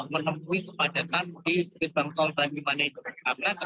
menemui kepadatan di jepang tol dari mana itu